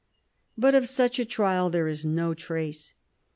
But of such a trial there is no trace.